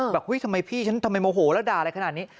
ทำไมพี่ฉันทำไมโมโหแล้วด่าอะไรขนาดนี้